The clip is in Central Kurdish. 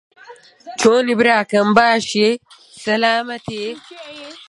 وڵات و ئایین دەبێت لێک جودابێت